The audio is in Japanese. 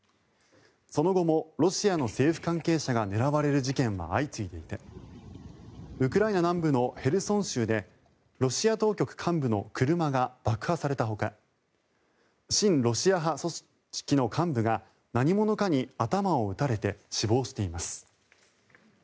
その後もロシアの政府関係者が狙われる事件は相次いでいてウクライナ南部のヘルソン州でロシア当局幹部の車が爆破されたほか親ロシア派組織の幹部が何者かに頭を撃たれて死亡しています。